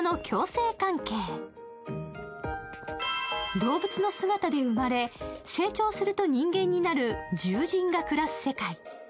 動物の姿で生まれ成長すると人間になる獣人が暮らす世界。